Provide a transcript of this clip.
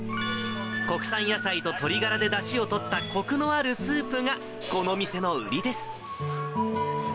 国産野菜と鶏ガラでだしをとったこくのあるスープが、この店の売りです。